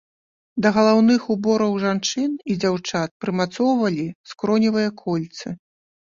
Да галаўных убораў жанчын і дзяўчат прымацоўвалі скроневыя кольцы.